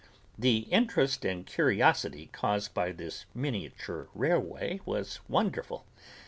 The interest and curiosity caused by this miniature railway was wonderful.